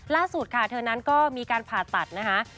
ล่าสุดค่ะเธอนั้นก็มีการผ่าตัดนะคะ